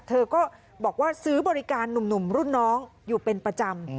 เธอก็บอกว่าซื้อบริการหนุ่มรุ่นน้องอยู่เป็นประจำ